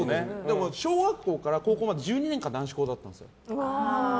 小学校から高校まで１２年間男子校だったんですよ。